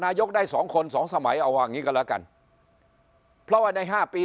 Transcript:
นายกได้๒คน๒สมัยเอาว่างี้ก็แล้วกันเพราะว่าใน๕ปี